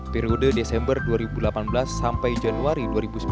periode desember dua ribu delapan belas sampai januari dua ribu sembilan belas